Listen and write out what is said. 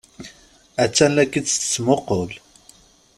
Attan la k-id-tettmuqul.